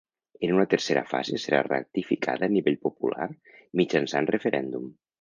En una tercera fase serà ratificada a nivell popular mitjançant referèndum.